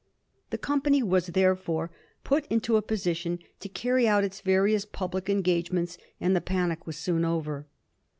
The company was, therefore, put into a position to carry out its various public engagements, and the panic was soon over.